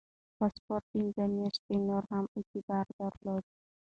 پاسپورت پنځه میاشتې نور هم اعتبار درلود.